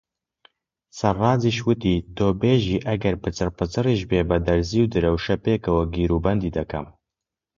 سەڕاجیش وتی: تۆ بێژی ئەگەر پچڕپچڕیش بێ بە دەرزی و درەوشە پێکەوە گیروبەندی ئەکەم.